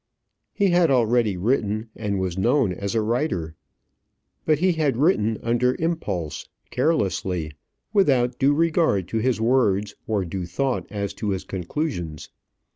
He had already written and was known as a writer; but he had written under impulse, carelessly, without due regard to his words or due thought as to his conclusions.